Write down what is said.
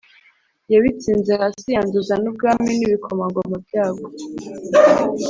Yabitsinze hasi yanduza n’ubwami n’ibikomangoma byabwo.